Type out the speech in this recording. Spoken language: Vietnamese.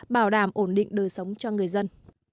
bảo đảm ổn định đời sống cho người dân